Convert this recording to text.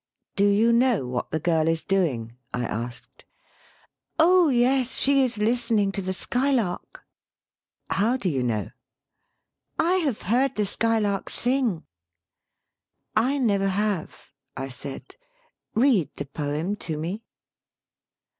"Do you know what the girl is doing?" I asked. "Oh yes, she is listening to the sky lark." " How do you know ?" "I have heard the skylark sing." "I never have," I said. "Read the poem to me."